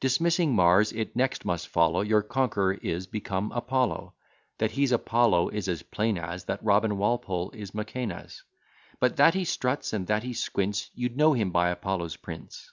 Dismissing Mars, it next must follow Your conqueror is become Apollo: That he's Apollo is as plain as That Robin Walpole is Mæcenas; But that he struts, and that he squints, You'd know him by Apollo's prints.